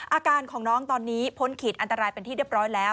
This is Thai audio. อาการของน้องตอนนี้พ้นขีดอันตรายเป็นที่เรียบร้อยแล้ว